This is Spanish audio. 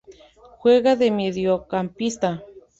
Juega de Mediocampista.